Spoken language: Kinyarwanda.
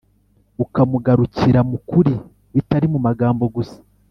ukamugarukira mu ukuri bitari mu magambo gusa.